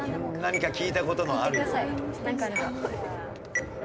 何か聞いたことのあるような。